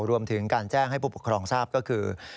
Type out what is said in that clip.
รวมถึงการแจ้งให้ผู้ปกครองทราบก็คือ